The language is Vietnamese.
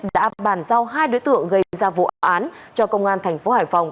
đã bàn giao hai đối tượng gây ra vụ án cho công an thành phố hải phòng